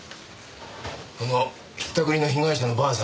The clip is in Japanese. このひったくりの被害者のばあさん